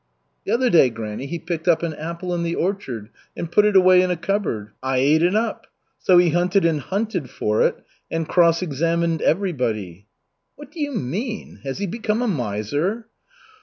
'" "The other day, granny, he picked up an apple in the orchard, and put it away in a cupboard. I ate it up. So he hunted and hunted for it, and cross examined everybody." "What do you mean? Has he become a miser?"